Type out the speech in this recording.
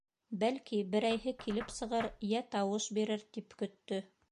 Бәлки, берәйһе килеп сығыр йә тауыш бирер, тип көттө.